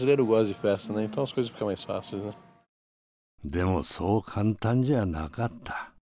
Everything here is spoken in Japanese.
でもそう簡単じゃなかった。